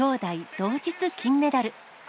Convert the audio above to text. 同日金メダル。